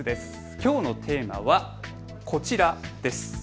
きょうのテーマはこちらです。